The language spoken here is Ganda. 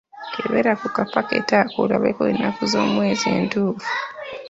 Kebera ku kapakiti ako olabeko ennaku z'omwezi entuufu.